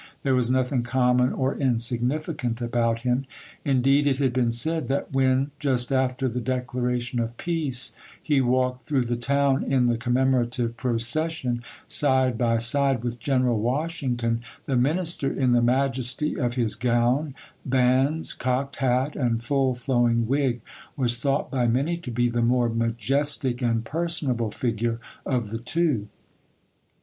There was nothing common or insignificant about him. Indeed, it had been said, that, when, just after the declaration of peace, he walked through the town in the commemorative procession side by side with General Washington, the minister, in the majesty of his gown, bands, cocked hat, and full flowing wig, was thought by many to be the more majestic and personable figure of the two.